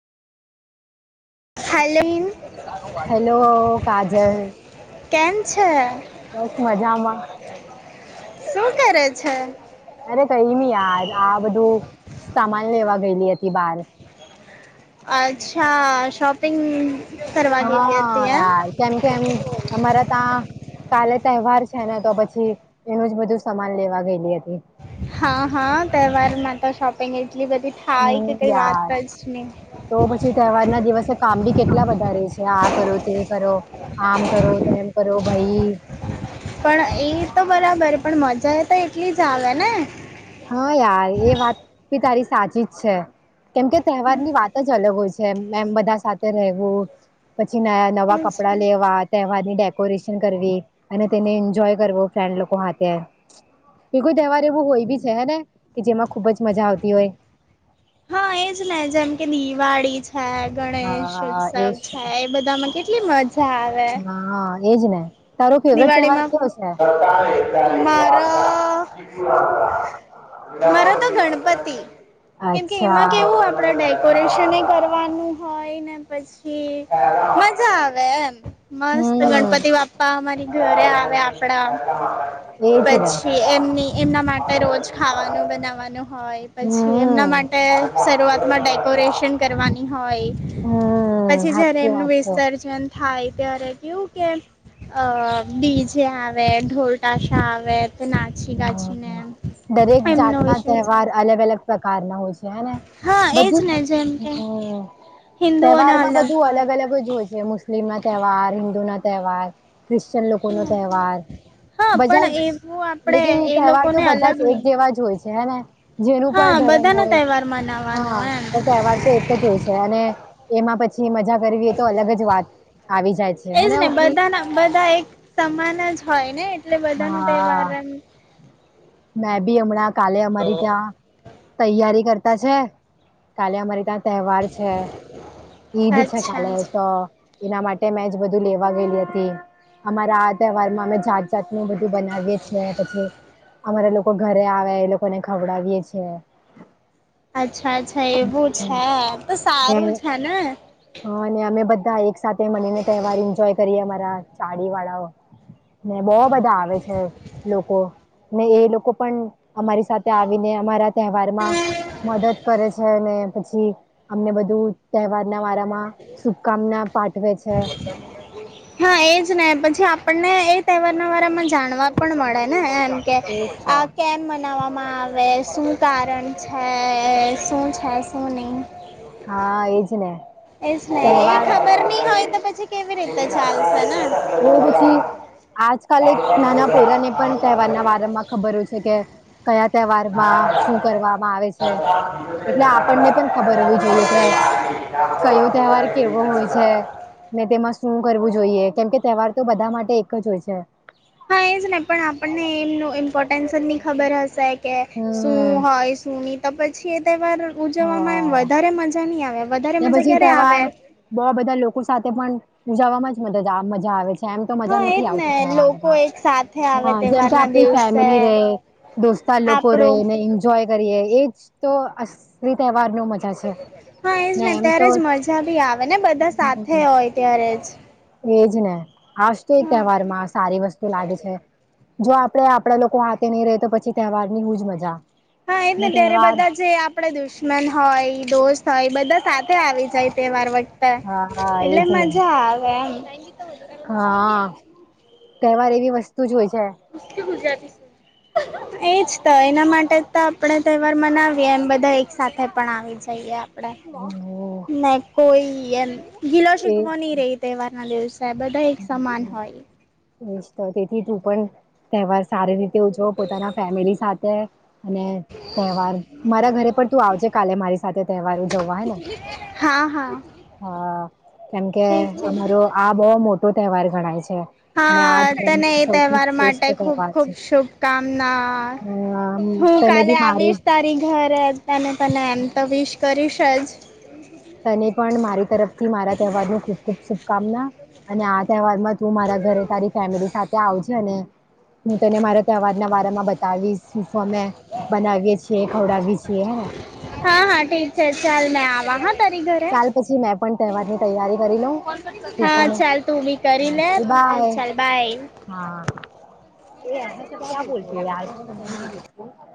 Hello. Hello Kajal કેમ છે? બસ મજામાં શું કરે છે? અરે કઈ મી યાર આ બધું સામાન લેવા ગયેલી હતી બહાર. અચ્છા. શોપિંગ કરવા ગયેલી હા, હતી એમ યાર કેમ, કેમ અમારા ત્યાં કાલે તહેવાર છે ને તો પછી એનું જ બધું સમાન લેવા ગયેલી હતી. હા હા. તહેવારમાં તો શોપિંગ એટલી બધી થાય કે હમ કઈ યાર વાત જ નહી. તો પછી તહેવારના દિવસે કામ બી કેટલા વધારે છે. આ કરો, તે કરો. આમ કરો તો એમ કરો ભાઈ પણ એ તો બરાબર પણ મજા એ તો એટલી જ આવે ને. હા, યાર એ વાત બી તારી સાચી જ છે. કેમકે તહેવારની વાત જ અલગ હોય છે. મેમ બધા સાથે રહેવું પછીના નવા એજ કપડા ને. લેવા તહેવારની ડેકોરેશન કરવી અને તેને એન્જોય કરવો ફ્રેન્ડ લોકો હાથે. એ કોઈ તહેવાર એવો હોય બી છે હ ને કે જેમાં ખુબ જ મજા આવતી હોય. હા, એજ ને જેમ કે દિવાળી છે, ગણેશ હા એજ ઉત્સવ છે. બધામાં કેટલી મજા આવે. હા, એજ ને. તારો ફેવરેટ તહેવાર દિવાળીમાં કયો છે મારા મારા તો ગણપતિ કેમકે એમાં અચ્છા કેવું. આપડ ડેકોરેશન કરવાનું હોય ને પછી. મજા આવે એમ. મસ્ત હમ ગણપતિબાપપા અમારી ઘરે આવ્યા આપડા, એજ ને પછી એમની, એમના માટે રોજ ખાવાનું બનાવાનું હોય. પછી એમના હમ માટે શરૂઆતમાં ડેકોરેશન કરવાની હોય. હમ પછી જયારે સાચી એમનું વાત છે વિસર્જન થાય ત્યારે કેવું કે અ બીજે આવે ઢોલટશા આવે ના હમ. દરેક જાતના વિસર્જન તહેવાર અલગ અલગ પ્રકારના હોય છે હેને. હા એજ બધું ને જેમ કે જ હિન્દુઓના તહેવારમાં બધું હોય અલગ અલગ જ હોય છે. મુસ્ મુસ્લિમના તહેવાર, હિન્દુના તહેવાર, ખ્રિશ્ચન લોકો નો તહેવાર હા બજા પણ એવું આપડે લેકિન, એ તહેવાર તો લોકોને બધા અલગ જ એક નહી જેવા જ હોય છે હે ને. જેનું હા પણ ધર્મ બધાનો હોય. તહેવાર મનાવાનો હા, એમ તો તહેવાર તો એક જ હોય છે અને એમાં પછી મજા કરવી એ તો અલગ જ વાત આવી જાય છે. એજ હેને ને ઉપલી બધાના બધા એક સમાનજ હોય ને એટલે બધા ન હા તહેવારમ. મેં બી હમણાં કાલે અમારી ત્યાં. તૈયારી કરતા છે કાલે અમારી ત્યાં. તહેવાર છે ઈદ છે અચ્છા કાલે તો. એના માટે મેં જ બધું લેવા ગયેલી હતી અમારા આ તહેવારમાં અમે. ચટનુંું બધું બનાવીએ છે પછી. લોકો ઘરે આવે એ લોકોને ખવડાવીયે છે. અચ્છા અચ્છા એવું હમ છે તો ને સારું છે ને. હા અને અમે બધા એક સાથે મળીને તહેવાર એન્જોય કરીએ અમારા ચાડી વાળાઓ. ને બોહ બધા આવે છે લોકો. એ લોકો પણ અમારી સાથે આવીને અમારા તહેવારમાં. મદદ કરે છે અનેને પછી. અમને બધું તહેવારના વારામાં શુભકામના. પાઠવે છે બ. હા એજ ને પછી આપણને એ તહેવારના વારાામાં જાણવા પણ મળે ને એમ. એજ તો આ કેમ મને. બનાવવામાં આવે શું કારણ છે શું છે શું નહીં. હા એજ ને. ને એ તહેવાર ખબર નહી હોય તો પછી કેવી રીતે ચાલશે ને એવ પછી. આજકાલ એક નાના પોરાને પણ તહેવારના વારંમાં ખબર છે કે. કયા તહેવાર માં શું કરવામાં આવે છે એટલે આપણને પણ ખબર હો. જોઈએ કે કયો તહેવાર કેવો હોય છે. ને તેમાં શું કરવું જોઈએ કેમ કે તહેવાર તો બધા માટે એકજ હોય છે. હા એજ નહી પણ આપણને એમનું ઇમ્પોર્ટન્સજ નની ખબર હશે. કે શું હમ હોય શું નહી તો પછી એ તહેવાર ઉજવવામાં એમ હા વધારે મજા નહી આવે. વધારે મજા ક્યારે આવે. બઉ બધા લોકો સાથે પણ ઉજાવામાં જ મદ મજા આવે છે. એમ તો હા મજા એજ નથી ને આવતી લોકો તહેવારમાં એક સાથે હ આવે જેમ તો તહેવારના આપણી દિવસે ફેમિલી રહી. દોસ્તા લોકો આપડું રને એન્જોય કરીએ એજ તો અસરી તહેવારન મજા છે. હા એજ ને એમ તો ત્યારેજ મજાભી આવે ને બધા સાથે હમ હોય ત્યારેજ. એજ ને આજ તો એક તહેવારમાં સારી વસ્તુ લાગે છે. જો આપડે આપડા લોકો હાથે નહીં રહે તો પછી તહેવારની હું જ મજા. હા એને ને ત્યારે તહેવાર બધાજે. આપડે દુશ્મન હોય દોસ્ત હોય બધા સાથે આવી જાય તહેવાર વ. હા હા એટલે એજ ને મજા આવે એમ. હા કહેવાર એવી વસ્તુજ હોય છે. કકે બુજતી છે એજ તો એના માટે તો આપણે તહેવાર મનાવીએ એમ બધા એક સાથે પણ આવી જઈએ. હમ ના કોઈ એમ ગીલો એજ શીખવો નહી રહી તહેવારના દિવસે. ત બધા એક સમાન હોય. એશ તો તેથી તું પણ તહેવાર સારી રીતે ઉજવો પોતાના ફેમિલી સાથે. અને તહેવાર મારા ઘરે પણ તું આવજે કાલે મારી સાથે તહેવાર ઉજવવા હે ને. હા. હા હા કેમ કે ઠીક છે અમારો આ બોહ મોટો તહેવાર ગણાય છે. ને આ હા ધર્મનો તને એ સૌથી તહેવાર શ્રેષ્ઠ માટે ખુબ તહેવાર ખુબ છે શુભકામના. અમ હું તને કાલે બી મારી આવીશ તારી ઘરેજ. ત તને એમ તો વિશ કર છે જ. તને પણ મારી તરફથી મારા તહેવાર ન ખૂબ ખુબ શુભકામના. અને આ તહેવારમાં તું મારા ઘરે તારી ફેમિલી સાથે આવજ અને હું તને મારા તવાજના બમાં બતાવીશ સુફો બનાવીએ છીએ ખવડાવી છીએે હા હા ઠીક છે ચાલ મે આવા હ તારી ઘર ચાલ પછી મેં પણ તહેવારની તૈયારી કરી લઉં તું હા પણ ચાલ તું બી હા કરીનેે ચાલ બાય ચાલ ભાઈ હા સર ક્યા બોતો આર